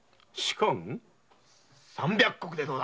三百石でどうだ！